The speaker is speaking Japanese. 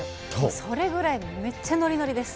それぐらいめっちゃのりのりです。